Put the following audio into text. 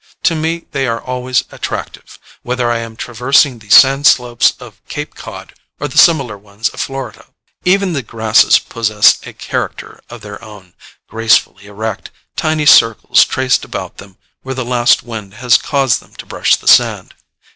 To me they are always attractive, whether I am traversing the sand slopes of Cape Cod or the similar ones of Florida. Even the grasses possess a character of their own gracefully erect, tiny circles traced about them where the last wind has caused them to brush the sand.